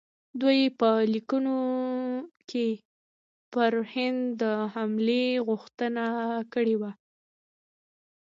دوی په لیکونو کې پر هند د حملې غوښتنه کړې وه.